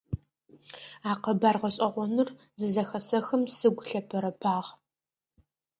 А къэбар гъэшӀэгъоныр зызэхэсэхым сыгу лъэпэрэпагъ.